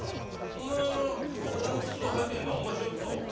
お前俺の靴ば履いて何ばしよっと？